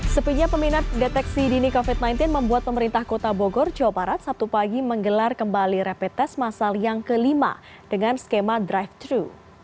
sepinya peminat deteksi dini covid sembilan belas membuat pemerintah kota bogor jawa barat sabtu pagi menggelar kembali rapid test masal yang kelima dengan skema drive thru